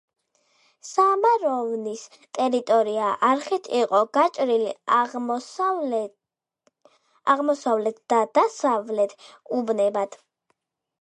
სამაროვნის ტერიტორია არხით იყო გაჭრილი აღმოსავლეთ და დასავლეთ უბნებად.